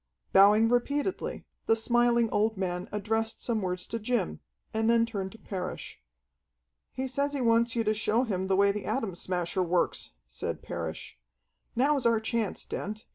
Bowing repeatedly, the smiling old man addressed some words to Jim, and then turned to Parrish. "He says he wants you to show him the way the Atom Smasher works," said Parrish. "Now's our chance, Dent.